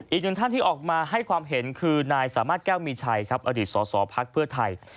อีกหนึ่งท่านที่ออกมาให้ความเห็นคือนายสามารถแก้วมีชัยครับอดีตสอสอภักดิ์เพื่อไทย